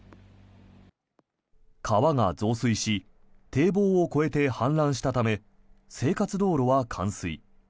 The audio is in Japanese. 川が増水し堤防を越えて氾濫したため生活道路は冠水。